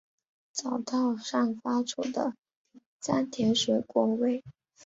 找到散发出的香甜水果味！